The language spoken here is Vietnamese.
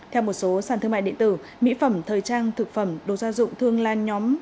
theo một số sản thương mại điện tử mỹ phẩm thời trang thực phẩm đồ gia dụng thương lan nhóm